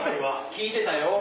聞いてたよ